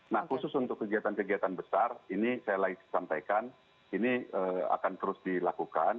nah khusus untuk kegiatan kegiatan besar ini saya lagi sampaikan ini akan terus dilakukan